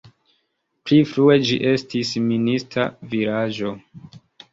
Pli frue ĝi estis minista vilaĝo.